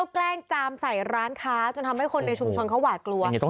แกล้งจามใส่ร้านค้าจนทำให้คนในชุมชนเขาหวาดกลัว